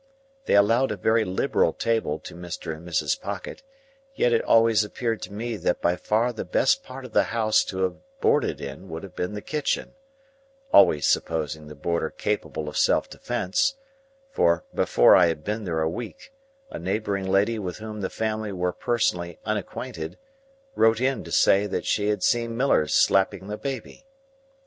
They allowed a very liberal table to Mr. and Mrs. Pocket, yet it always appeared to me that by far the best part of the house to have boarded in would have been the kitchen,—always supposing the boarder capable of self defence, for, before I had been there a week, a neighbouring lady with whom the family were personally unacquainted, wrote in to say that she had seen Millers slapping the baby.